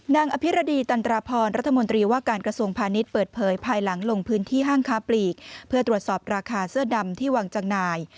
อภิรดีตันตราพรรัฐมนตรีว่าการกระทรวงพาณิชย์เปิดเผยภายหลังลงพื้นที่ห้างค้าปลีกเพื่อตรวจสอบราคาเสื้อดำที่วางจำหน่าย